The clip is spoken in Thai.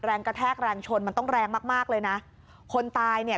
แรงกระแทกแรงชนมันต้องแรงมากมากเลยนะคนตายเนี่ย